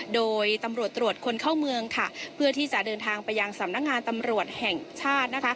โดยตำรวจตรวจคนเข้าเมืองเพื่อที่จะเดินทางไปยังสำนักงานตำรวจแห่งชาติ